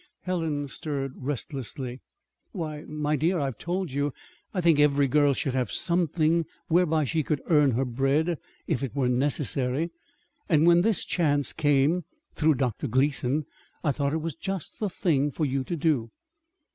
Helen stirred restlessly. "Why, my dear, I've told you. I think every girl should have something whereby she could earn her bread, if it were necessary. And when this chance came, through Dr. Gleason, I thought it was just the thing for you to do."